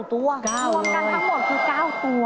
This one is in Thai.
ตัวกันทั้งหมด๙ตัว